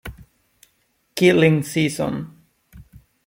Killing Season